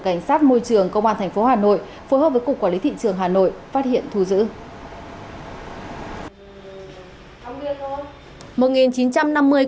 cảnh sát môi trường công an tp hà nội phối hợp với cục quản lý thị trường hà nội phát hiện thu giữ